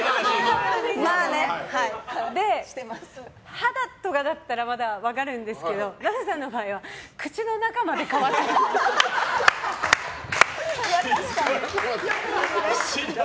肌とかだったら分かるんですけどＮＡＮＡさんの場合は口の中まで乾くから。